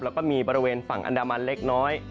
แล้วก็มีบริเวณฝั่งอันดามันเล็กน้อย